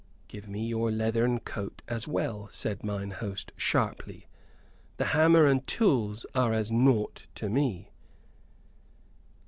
"Give me your leathern coat as well," said mine host, sharply; "the hammer and tools are as naught to me."